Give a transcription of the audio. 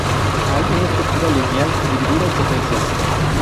Hay una estructura lineal dividida en secuencias.